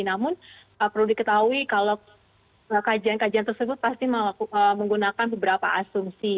namun perlu diketahui kalau kajian kajian tersebut pasti menggunakan beberapa asumsi